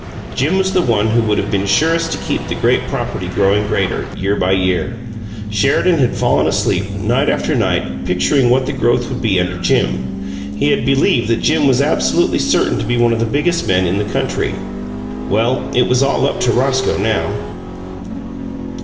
Jim was the one who would have been surest to keep the great property growing greater, year by year. Sheridan had fallen asleep, night after night, picturing what the growth would be under Jim. He had believed that Jim was absolutely certain to be one of the biggest men in the country. Well, it was all up to Roscoe now!